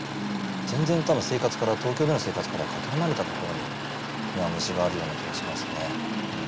全然多分東京での生活からはかけ離れたところに今虫があるような気がしますね。